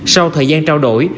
sau thời gian trao đổi